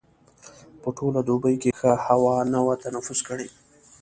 په ټوله دوبي کې ښه هوا نه وه تنفس کړې.